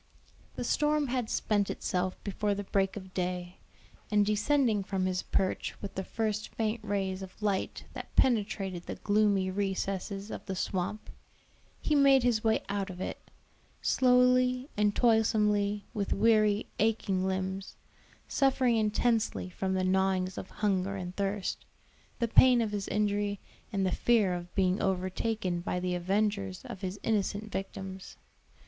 The storm had spent itself before the break of day, and descending from his perch with the first faint rays of light that penetrated the gloomy recesses of the swamp, he made his way out of it, slowly and toilsomely, with weary, aching limbs, suffering intensely from the gnawings of hunger and thirst, the pain of his injury, and the fear of being overtaken by the avengers of his innocent victims.